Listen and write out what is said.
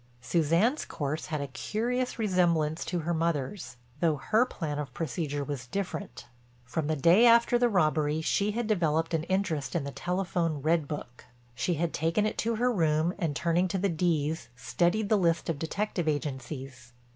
Suzanne's course had a curious resemblance to her mother's, though her plan of procedure was different. From the day after the robbery she had developed an interest in the telephone "Red Book." She had taken it to her room and turning to the D's studied the list of detective agencies.